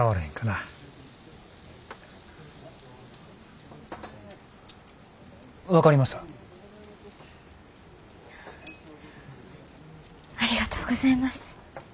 ありがとうございます。